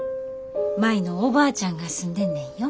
舞のおばあちゃんが住んでんねんよ。